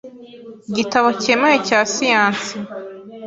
“igitabo kemewe cya siyansi,